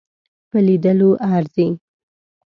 په لیدلو ارزي.